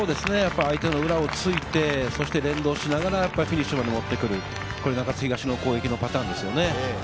相手の裏をついて連動しながらフィニッシュまで持ってくる、中津東の攻撃のパターンですよね。